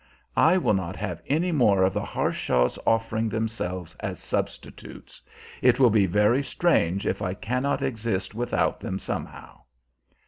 I will not have any more of the Harshaws offering themselves as substitutes. It will be very strange if I cannot exist without them somehow."